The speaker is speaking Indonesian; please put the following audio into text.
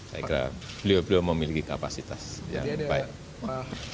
saya kira beliau beliau memiliki kapasitas yang baik